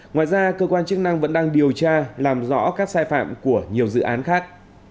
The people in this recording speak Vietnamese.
ngoài ra cơ quan chức năng vẫn đang điều tra làm rõ các sai phạm của nhiều dự án khác